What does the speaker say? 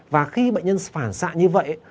và khi bệnh nhân phản xạ như vậy